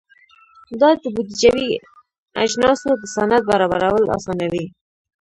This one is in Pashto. دا د بودیجوي اجناسو د سند برابرول اسانوي.